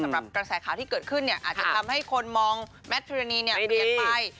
สำหรับกระแสข่าวที่เกิดขึ้นอาจจะทำให้คนมองแมททุรณีเนี่ยเปลี่ยนไป